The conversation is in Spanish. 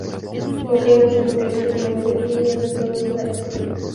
Oakley nació y creció en Maryland, y asistió a la escuela "St.